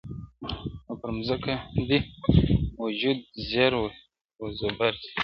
او پر مځکه دي وجود زیر و زبر سي -